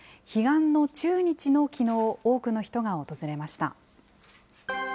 彼岸の中日のきのう、多くの人が訪れました。